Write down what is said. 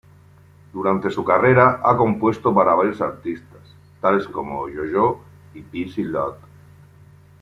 Durante su carrera ha compuesto para varios artistas, tales como JoJo y Pixie Lott.